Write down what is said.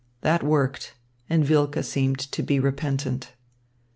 That worked, and Wilke seemed to be repentant.